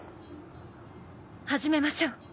始めましょう。